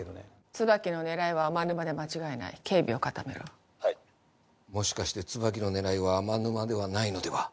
椿の狙いは天沼で間違いない警備を固めろはいもしかして椿の狙いは天沼ではないのでは？